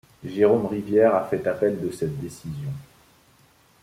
Jérôme Rivière a fait appel de cette décision.